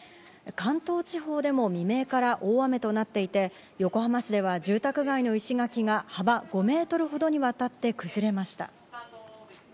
関東地方でも未明から大雨となっていて横浜市では住宅街の石垣が幅５ｍほどにわたって崩れました。